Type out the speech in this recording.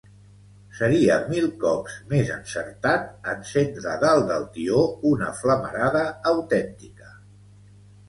Seria mil cops més encertat encendre dalt del tió una flamarada autèntica